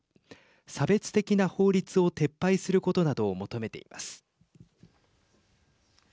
差別的な法律を撤廃することなどを求めています。